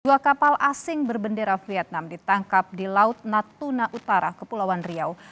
dua kapal asing berbendera vietnam ditangkap di laut natuna utara kepulauan riau